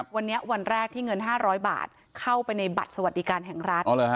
วันนี้วันแรกที่เงิน๕๐๐บาทเข้าไปในบัตรสวัสดิการแห่งรัฐ